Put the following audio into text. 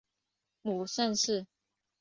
母盛氏。